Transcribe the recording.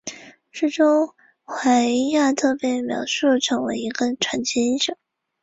书中怀亚特被描述成为一个传奇英雄。